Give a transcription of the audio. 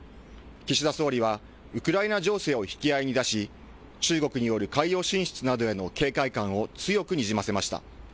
岸田総理はウクライナ情勢を引き合いに出し、中国による海洋進出などへの警戒感を強くにじませました。